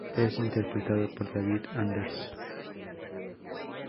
Es interpretado por David Anders.